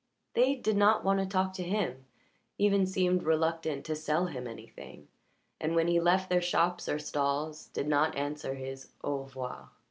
They did not want to talk to him, even seemed reluctant to sell him anything; and when he left their shops or stalls, did not answer his "Au revoir."